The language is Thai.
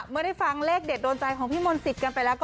เมื่อได้ฟังเลขเด็ดโดนใจของพี่มนต์สิทธิ์กันไปแล้วก็